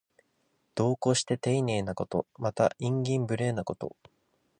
度を越してていねいなこと。また、慇懃無礼なこと。